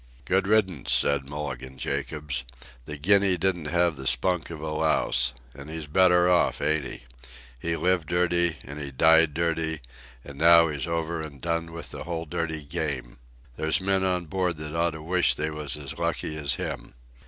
"Good riddance," said Mulligan Jacobs. "The Guinea didn't have the spunk of a louse. And he's better off, ain't he? He lived dirty, an' he died dirty, an' now he's over an' done with the whole dirty game. There's men on board that oughta wish they was as lucky as him.